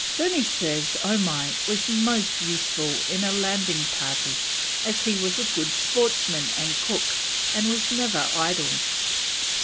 Burney says Omai was most useful on a landing party, as he was a good sportsman and cook, and was never idle.